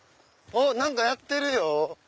何かやってるよ。